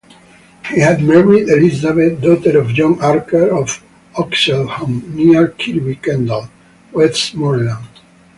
He had married Elizabeth, daughter of John Archer of Oxenholme, near Kirby Kendal, Westmoreland.